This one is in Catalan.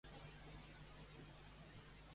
Fernando ho ha cuidat molt.